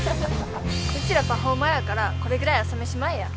うちらパフォーマーやからこれくらい朝飯前や。